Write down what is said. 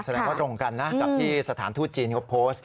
แสดงว่าตรงกันนะกับที่สถานทูตจีนเขาโพสต์